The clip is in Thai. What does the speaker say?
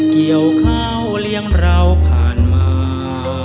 เกี่ยวข้าวเลี้ยงเราผ่านมา